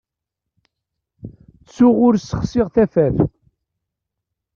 Ttuɣ ur ssexsiɣ tafat.